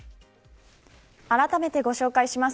あらためてご紹介します。